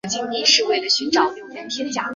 甘丹塔钦旁边有许多景点。